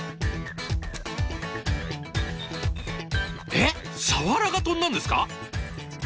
えっサワラが飛んだんですか？